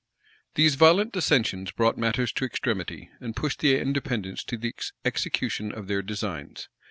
These violent dissensions brought matters to extremity, and pushed the Independents to the execution of their designs.